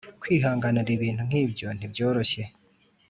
Kwihanganira ibintu nk’ibyo ntibyoroshye